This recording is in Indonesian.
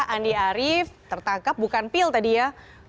andi arief tertangkap bukan pil tadi ya